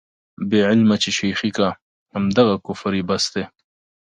بې علمه چې شېخي کا، همدغه کفر یې بس دی.